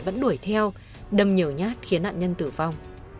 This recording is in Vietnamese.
vẫn đuổi theo đâm nhiều nhát khiến nạn nhân tử vong